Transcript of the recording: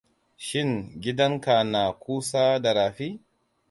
Shin gidan ka na kusa da rafi?